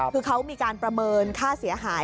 คือเขามีการประเมินค่าเสียหาย